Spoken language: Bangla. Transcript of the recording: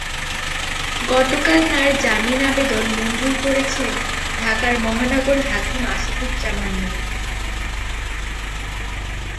গতকাল তাঁর জামিন আবেদন মঞ্জুর করেছেন ঢাকার মহানগর হাকিম আসাদুজ্জামান নুর।